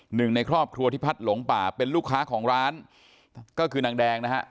หนึ่งในครอบครัวที่พัดหลงป่าเป็นลูกค้าของร้านก็คือนางแดงนะฮะ